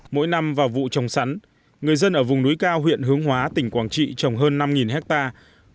mỗi năm vào vụ trồng sắn người dân ở vùng núi cao huyện hướng hóa tỉnh quảng trị trồng hơn năm hectare